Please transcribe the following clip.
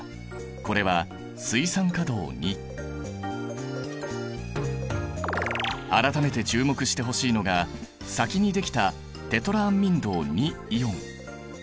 これは改めて注目してほしいのが先にできたテトラアンミン銅イオン。